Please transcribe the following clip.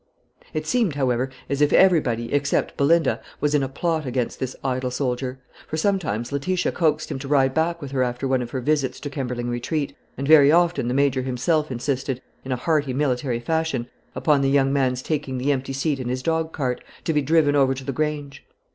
It seemed, however, as if everybody, except Belinda, was in a plot against this idle soldier; for sometimes Letitia coaxed him to ride back with her after one of her visits to Kemberling Retreat, and very often the Major himself insisted, in a hearty military fashion, upon the young man's taking the empty seat in his dog cart, to be driven over to the Grange.